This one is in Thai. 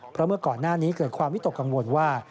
เพราะเมื่อก่อนหน้านี้เกิดความวิตกกังวลว่า